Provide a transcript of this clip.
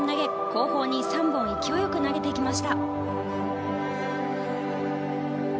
後方に３本勢いよく投げていきました。